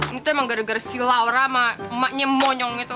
ini tuh emang gara gara si laura sama emaknya monyong itu